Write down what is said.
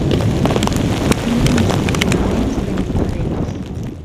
Tenen uns funcionaments ben diferents.